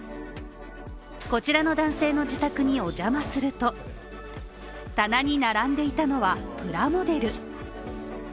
こちらの男性の自宅にお邪魔すると、棚に並んでいたのはプラモデル。